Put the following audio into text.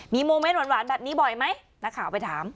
มีโมเมนต์หวานแบบนี้บ่อยไหมนักข่าวไปถาม